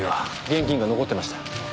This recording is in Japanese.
現金が残ってました。